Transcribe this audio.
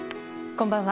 こんばんは。